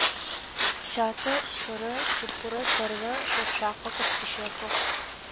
Сятэ сшырэ сшыпхъурэ сэрырэ шъо цуакъэ къытфищэфыгъ.